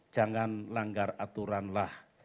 jangan langgar aturanlah